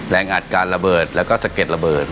อัดการระเบิดแล้วก็สะเก็ดระเบิด